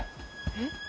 えっ？